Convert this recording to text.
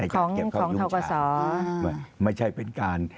ของเทาเกาะสอ